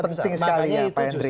sangat penting sekali ya pak hendry